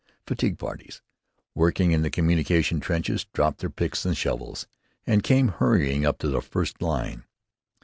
Fatigue parties, working in the communication trenches, dropped their picks and shovels and came hurrying up to the first line.